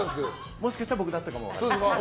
もしかしたら僕だったかも分からないです。